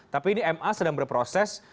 tapi ini ma sedang berproses